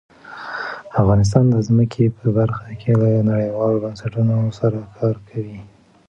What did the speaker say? افغانستان د ځمکه په برخه کې له نړیوالو بنسټونو سره کار کوي.